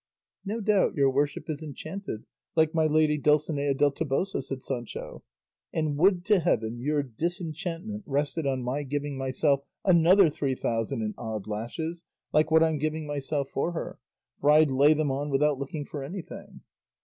"No doubt your worship is enchanted, like my lady Dulcinea del Toboso," said Sancho; "and would to heaven your disenchantment rested on my giving myself another three thousand and odd lashes like what I'm giving myself for her, for I'd lay them on without looking for anything."